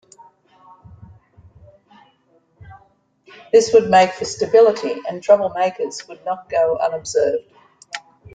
This would make for stability, and trouble-makers would not go unobserved.